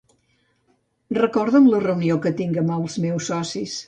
Recorda'm la reunió que tinc amb els meus socis.